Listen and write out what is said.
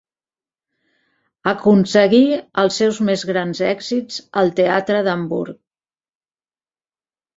Aconseguí els seus més grans èxits al teatre d'Hamburg.